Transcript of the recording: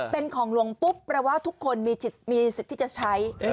เป็นของหลวงปุ๊บแปลว่าทุกคนมีสิทธิ์ที่จะใช้